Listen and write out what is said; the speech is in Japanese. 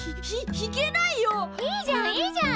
いいじゃんいいじゃん。